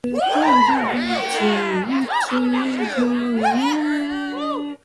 রমেশের পদশব্দ শুনিয়া সে খড়খড়ি বন্ধ করিয়া মুখ ফিরাইল।